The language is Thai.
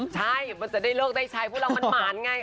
ใช่มันจะได้เลิกได้ใช้เพราะเรามันหมานไง